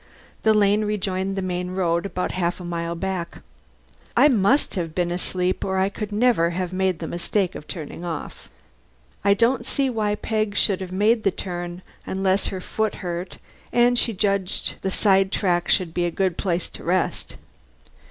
The lane rejoined the main road about half a mile back. I must have been asleep or I could never have made the mistake of turning off. I don't see why Peg should have made the turn, unless her foot hurt and she judged the side track would be a good place to rest.